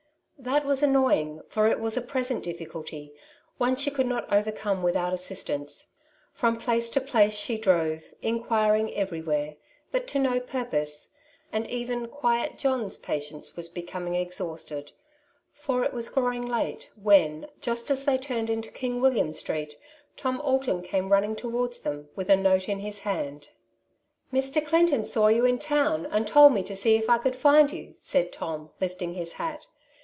That was annoying, for it was a present difficulty, one she could not overcome without assistance. From place to place she drove, inquiring everywhere, but to no purpose, and even quiet John's patience was becoming ex hausted, for it was growing late, when, just as they Elsies Influence^ 63 turned into King William Street, Tom Alton came running towards them with a note in his hand. ^' Mr. Clinton saw you in town, and tiold me to see if I could find you/' said Tom, lifting his hat.